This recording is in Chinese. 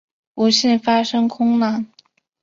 不幸发生空难。